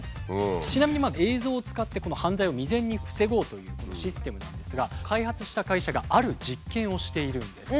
ちなみに映像を使って犯罪を未然に防ごうというこのシステムなんですが開発した会社がある実験をしているんです。